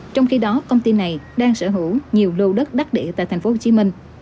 trong khi đó công ty này đang sở hữu nhiều lô đất đắt địa tại tp hcm